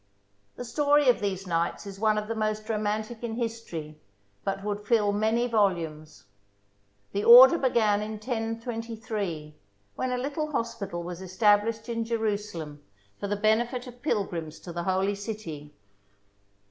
The story of these knights is one of the most romantic in history, but would fill many volumes. The order began in 1023, when a little hospital was established in Jerusalem for the benefit of pilgrims to the Holy City.